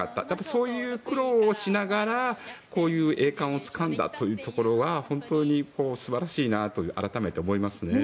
そういう苦労をしながらこういう栄冠をつかんだというところは本当に素晴らしいなと改めて思いますね。